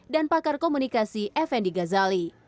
dan pakar komunikasi effendi ghazali